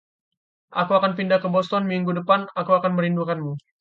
"Aku akan pindah ke Boston minggu depan." "Aku akan merindukanmu."